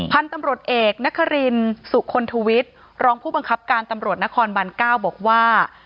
พันธุ์ตำรวจเอกนครินสุคลทวิทย์รองผู้บังคับการตำรวจนครบัน๙บอกว่า